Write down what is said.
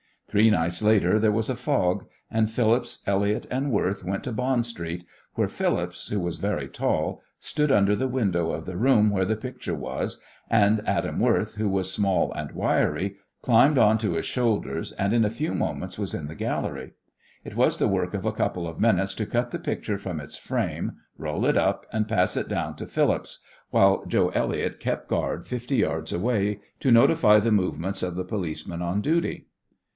Three nights later there was a fog, and Phillips, Elliott, and Worth went to Bond Street, where Phillips, who was very tall, stood under the window of the room where the picture was, and Adam Worth, who was small and wiry, climbed on to his shoulders, and in a few moments was in the gallery. It was the work of a couple of minutes to cut the picture from its frame, roll it up, and pass it down to Phillips, while Joe Elliott kept guard fifty yards away to notify the movements of the policeman on duty.